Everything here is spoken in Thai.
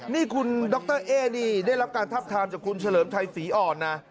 นี่คุณดรเอ๊นี่ได้รับการทับทามจากคุณเฉลิมชัยศรีอ่อนนะ